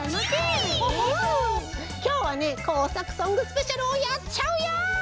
きょうはねこうさくソングスペシャルをやっちゃうよ！